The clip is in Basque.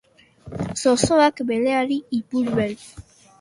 Zozoak beleari, ipurbeltz